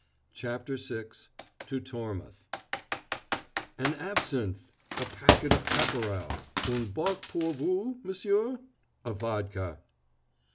CHAPTER VI TO TORMOUTH "An absinthe!" "A packet of Caporal!" "Un bock pour vous, m'sieur?" "A vodka!"